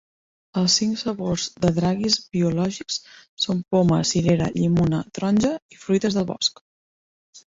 Els cinc sabors de dragees biològics són poma, cirera, llimona, taronja i fruites del bosc.